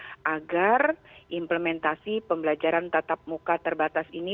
agar implementasi pembelajaran tatap muka terbatas ini agar implementasi pembelajaran tatap muka terbatas ini